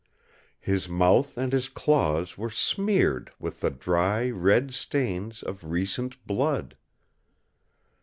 His mouth and his claws were smeared with the dry, red stains of recent blood!